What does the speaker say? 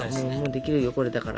できるよこれだから。